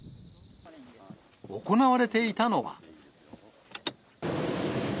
行われていたのは。